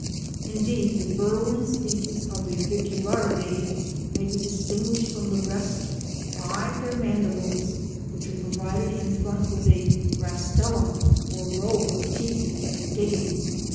Indeed the burrowing species of the Aviculariidae may be distinguished from the rest by their mandibles, which are provided in front with a rastellum, or row of teeth for digging.